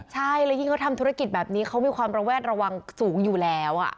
ใช่แล้วยิ่งเขาทำธุรกิจแบบนี้เขามีความระแวดระวังสูงอยู่แล้ว